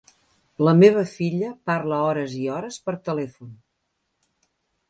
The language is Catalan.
La meva filla parla hores i hores per telèfon.